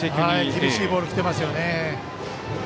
厳しいボールが来てますね。